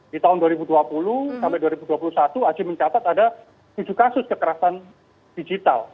di tahun dua ribu dua puluh sampai dua ribu dua puluh satu aji mencatat ada tujuh kasus kekerasan digital